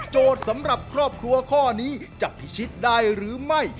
สำหรับครอบครัวข้อนี้จะพิชิตได้หรือไม่